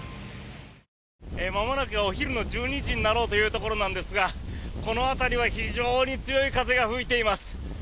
まもなくお昼の１２時になろうというところですがこの辺りは非常に強い風が吹いています。